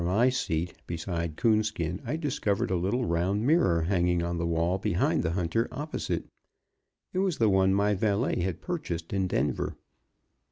From my seat, beside Coonskin, I discovered a little round mirror hanging on the wall behind the hunter opposite; it was the one my valet had purchased in Denver.